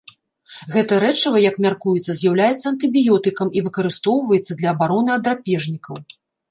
Гэта рэчыва, як мяркуецца, з'яўляецца антыбіётыкам і выкарыстоўваецца для абароны ад драпежнікаў.